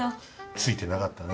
ついてなかったね。